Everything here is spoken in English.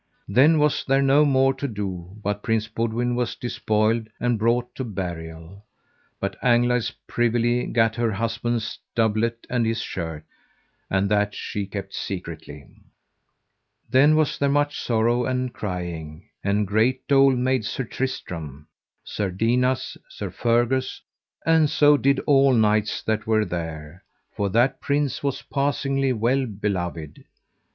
Then was there no more to do but Prince Boudwin was despoiled and brought to burial. But Anglides privily gat her husband's doublet and his shirt, and that she kept secretly. Then was there much sorrow and crying, and great dole made Sir Tristram, Sir Dinas, Sir Fergus, and so did all knights that were there; for that prince was passingly well beloved.